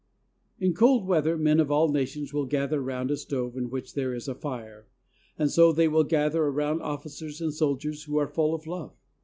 In cold weather men of all nations will gather around a stove in which there is a fire, and so they will gather around officers and soldiers who are full of love.